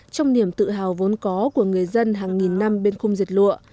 trong niềm tự hào vốn có của người dân hàng nghìn năm bên khung diệt lụa